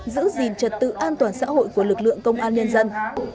giữ gìn trật tự an toàn xã hội của lực lượng công an nhân dân